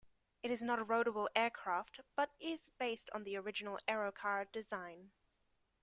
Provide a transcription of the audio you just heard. It is not a roadable aircraft but is based on the original Aerocar design.